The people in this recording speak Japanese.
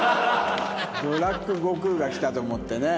ブラック悟空が来たと思ったよね。